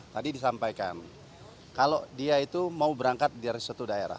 tadi disampaikan kalau dia itu mau berangkat dari suatu daerah